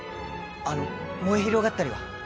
あの燃え広がったりは？